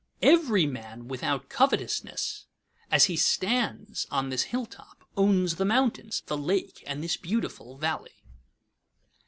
Every man without covetousness, as he stands on this hilltop, owns the mountains, the lake, and this beautiful valley.